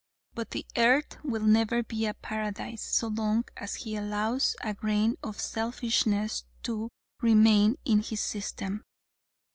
But the earth will never be a paradise, so long as he allows a grain of selfishness to remain in his system.